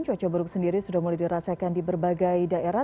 cuaca buruk sendiri sudah mulai dirasakan di berbagai daerah